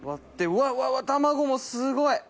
うわ卵もすごい！